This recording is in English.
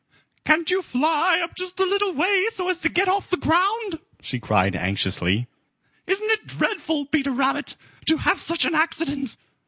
"Can't you fly up just a little way so as to get off the ground?" she cried anxiously. "Isn't it dreadful, Peter Rabbit, to have such an accident?